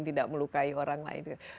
tidak melukai orang lain